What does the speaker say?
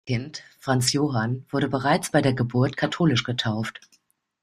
Das vierte Kind Franz Johann wurde bereits bei der Geburt katholisch getauft.